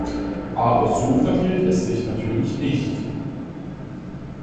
Aber so verhielt es sich natürlich nicht.